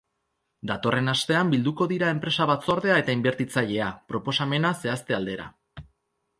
Datorren astean bilduko dira enpresa batzordea eta inbertitzailea, proposamena zehazte aldera.